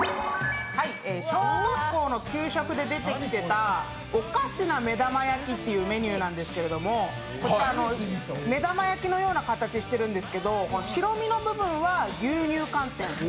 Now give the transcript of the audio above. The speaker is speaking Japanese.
小学校の給食で出てきていたおかしな目玉焼きっていうメニューなんですけど目玉焼きのような形してるんですけど、白身の部分は牛乳寒天。